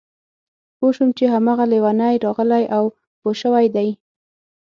پوه شوم چې هماغه لېونی راغلی او پوه شوی دی